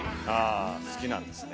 あ好きなんですね。